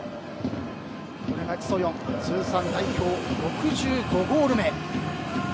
これがチ・ソヨン通算代表６５ゴール目。